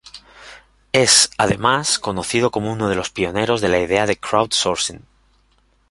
Es además conocido como uno de los pioneros de la idea de "crowdsourcing".